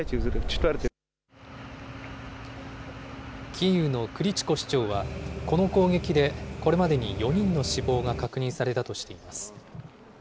キーウのクリチコ市長は、この攻撃で、これまでに４人の死亡が確認されたとしています。